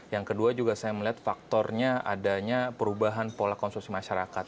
yang kedua juga saya melihat faktornya adanya perubahan pola konsumsi masyarakat